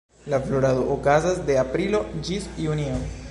La florado okazas de aprilo ĝis junio.